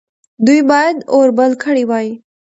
دوی باید اور بل کړی وای.